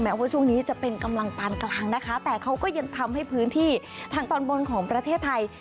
ว่าช่วงนี้จะเป็นกำลังปานกลางนะคะแต่เขาก็ยังทำให้พื้นที่ทางตอนบนของประเทศไทย